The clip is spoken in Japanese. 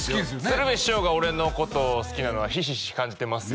鶴瓶師匠が俺のことを好きなのはひしひし感じてますよ